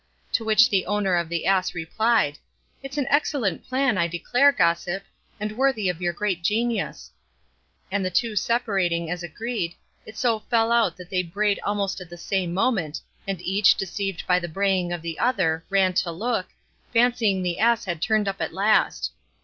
To which the owner of the ass replied, 'It's an excellent plan, I declare, gossip, and worthy of your great genius;' and the two separating as agreed, it so fell out that they brayed almost at the same moment, and each, deceived by the braying of the other, ran to look, fancying the ass had turned up at last.